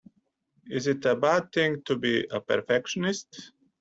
Is it a bad thing to be a perfectionist?